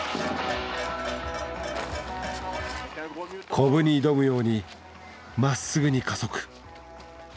コブに挑むようにまっすぐに加速。